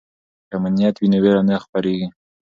که امنیت وي نو ویره نه خپریږي.